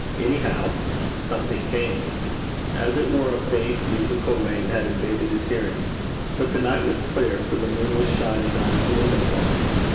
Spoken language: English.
Anyhow something came. As it were a faint musical rain had invaded his hearing; but the night was clear, for the moon was shining on his window blind.